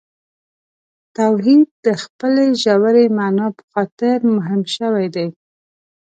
توحید د خپلې ژورې معنا په خاطر مهم شوی دی.